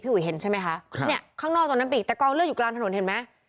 อุ๋ยเห็นใช่ไหมคะครับเนี่ยข้างนอกตรงนั้นมีแต่กองเลือดอยู่กลางถนนเห็นไหม